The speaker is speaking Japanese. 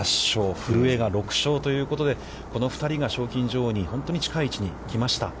古江が６勝ということで、この２人が賞金女王に本当に近い位置に来ました。